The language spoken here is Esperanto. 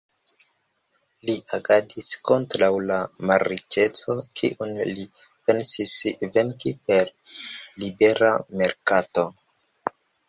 Li agadis kontraŭ la malriĉeco, kiun li pensis venki per libera merkato.